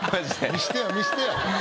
見してよ見してよ。